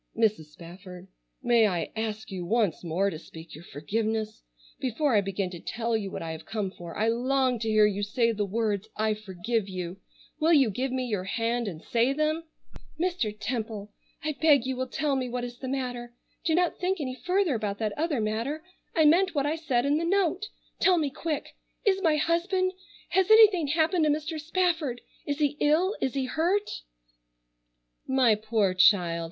"Mrs. Spafford, may I ask you once more to speak your forgiveness? Before I begin to tell you what I have come for, I long to hear you say the words 'I forgive you.' Will you give me your hand and say them?" "Mr. Temple, I beg you will tell me what is the matter. Do not think any further about that other matter. I meant what I said in the note. Tell me quick! Is my husband—has anything happened to Mr. Spafford? Is he ill? Is he hurt?" "My poor child!